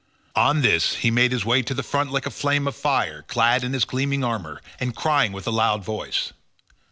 On this he made his way to the front like a flame of fire, clad in his gleaming armour, and crying with a loud voice.